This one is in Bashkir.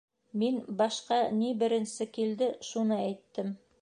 Мин башҡа ни беренсе килде, шуны әйттем.